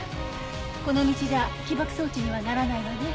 この道じゃ起爆装置にはならないわね。